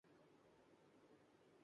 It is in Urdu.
ایسی باتوں سے باہر وہ نکل نہیں پاتے۔